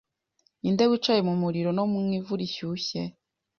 Ninde wicaye mu muriro no mu ivu rishyushye